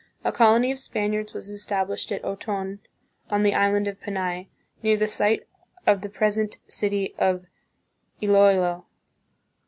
A colony of Spaniards was established at Oton, on the island of Panay, near the site of the present city of Iloilo.